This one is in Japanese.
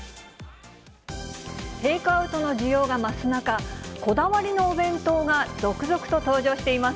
テイクアウトの需要が増す中、こだわりのお弁当が続々と登場しています。